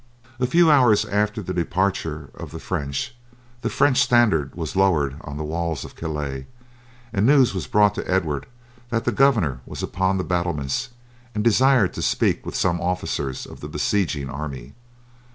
A few hours after the departure of the French the French standard was lowered on the walls of Calais, and news was brought to Edward that the governor was upon the battlements and desired to speak with some officers of the besieging army.